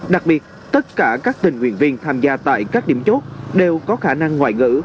đặc biệt tất cả các tình nguyện viên tham gia tại các điểm chốt đều có khả năng ngoại ngữ